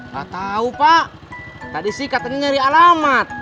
pak tau pak tadi sih katanya nyari alamat